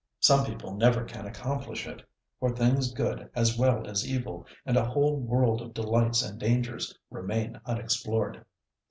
Some people never can accomplish it, for things good as well as evil, and a whole world of delights and dangers remain unexplored.